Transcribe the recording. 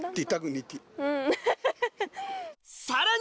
さらに！